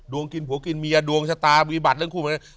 ดวงกินผัวกินเมียดวงชะตามีบัตรเรื่องคู่เหมือนกัน